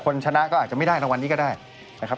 ชนะก็อาจจะไม่ได้รางวัลนี้ก็ได้นะครับ